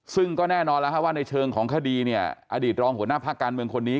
ซึ่งก็แน่นอนแล้วว่าในเชิงของคดีเนี่ยอดีตรองหัวหน้าภาคการเมืองคนนี้